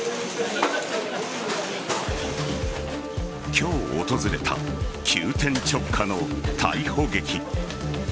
今日訪れた、急転直下の逮捕劇。